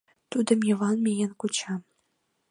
Тудым Йыван миен куча.